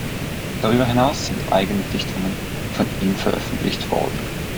Darüber hinaus sind eigene Dichtungen von ihm veröffentlicht worden.